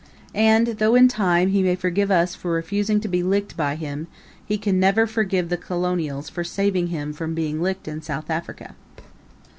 And, though in time he may forgive us for refusing to be licked by him, he can never forgive the Colonials for saving him from being licked in South Africa.